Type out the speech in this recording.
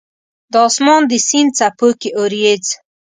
د اسمان د سیند څپو کې اوریځ